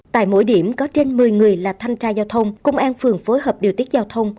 tại mỗi điểm có trên một mươi người là thanh tra giao thông công an phường phối hợp điều tiết giao thông